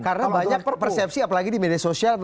karena banyak persepsi apalagi di media sosial